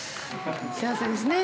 幸せですね。